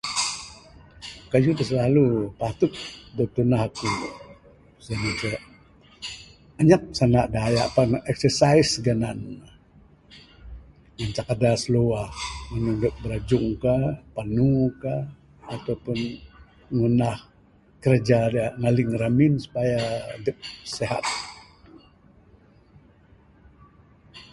Kayuh da slalu patut dog tundah akuk, anyap sanda Dayak, pan exercise ganan ne. Ngancak adas luah, mung adup birajung kah, panu kah atau pun ngundah kiraja da ngaling ramin supaya adup sehat.